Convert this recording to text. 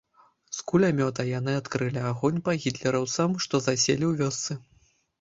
З кулямёта яны адкрылі агонь па гітлераўцам, што заселі ў вёсцы.